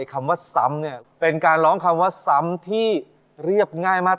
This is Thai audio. คำว่าซ้ำเนี่ยเป็นการร้องคำว่าซ้ำที่เรียบง่ายมาก